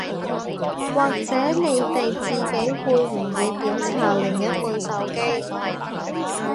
或者你哋自己會唔會檢查另一半手機